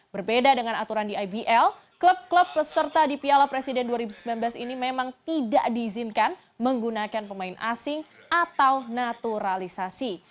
berbeda dengan aturan di ibl klub klub peserta di piala presiden dua ribu sembilan belas ini memang tidak diizinkan menggunakan pemain asing atau naturalisasi